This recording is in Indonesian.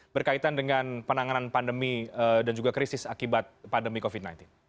berkaitan dengan penanganan pandemi dan juga krisis akibat pandemi covid sembilan belas